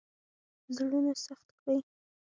زړونه سخت کړي.